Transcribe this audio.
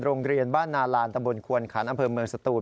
โรงเรียนบ้านนาลานตะบนควนขันอำเภอเมืองสตูน